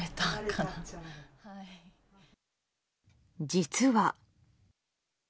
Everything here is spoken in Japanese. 実は。